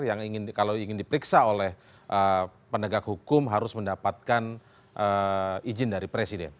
yang kalau ingin diperiksa oleh penegak hukum harus mendapatkan izin dari presiden